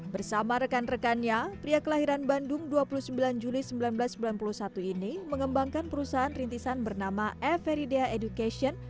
bersama rekan rekannya pria kelahiran bandung dua puluh sembilan juli seribu sembilan ratus sembilan puluh satu ini mengembangkan perusahaan rintisan bernama everydea education